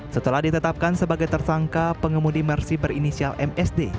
setelah ditetapkan sebagai tersangka pengemudi mersi berinisial msd